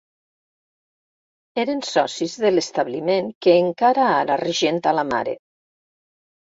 Eren socis de l'establiment que encara ara regenta la mare.